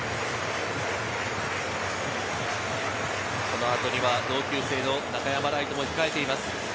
この後には同級生の中山礼都が控えています。